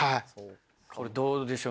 これどうでしょう？